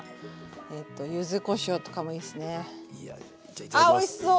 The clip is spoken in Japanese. あっおいしそう！